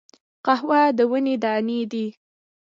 قهوه د ونې دانی دي